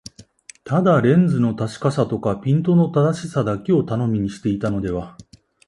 ただレンズの確かさとかピントの正しさだけを頼みにしていたのでは、